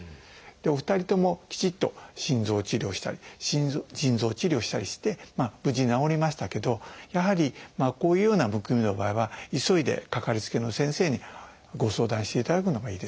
お二人ともきちっと心臓を治療したり腎臓を治療したりして無事治りましたけどやはりこういうようなむくみの場合は急いでかかりつけの先生にご相談していただくのがいいですね。